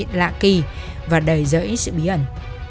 công ty đã thực hiện lạ kỳ và đầy rẫy sự bí ẩn